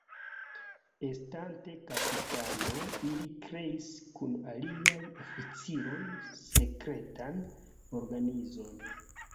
Estante kapitano, li kreis kun aliaj oficiroj sekretan organizon.